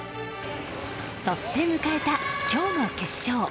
そして迎えた今日の決勝。